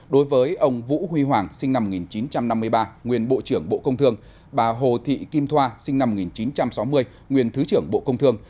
đối với ông vũ huy hoàng sinh năm một nghìn chín trăm năm mươi ba nguyên bộ trưởng bộ công thương bà hồ thị kim thoa sinh năm một nghìn chín trăm sáu mươi nguyên thứ trưởng bộ công thương